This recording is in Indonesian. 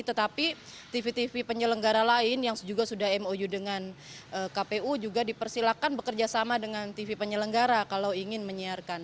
tetapi tv tv penyelenggara lain yang juga sudah mou dengan kpu juga dipersilakan bekerja sama dengan tv penyelenggara kalau ingin menyiarkan